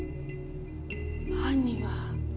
犯人は？